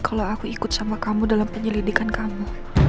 kalau aku ikut sama kamu dalam penyelidikan kamu